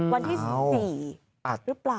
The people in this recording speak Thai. วันที่๑๔หรือเปล่า